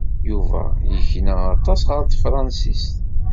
Yuba yekna aṭas ɣer tefṛensist.